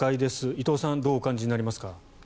伊藤さんどうお感じになりますか。